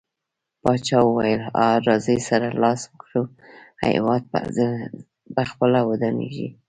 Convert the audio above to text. پاچاه وويل: راځٸ سره لاس ورکړو هيواد په خپله ودانيږي.